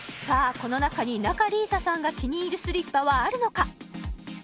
この中に仲里依紗さんが気に入るスリッパはあるのか！？